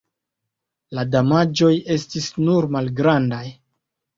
La damaĝoj estis nur malgrandaj.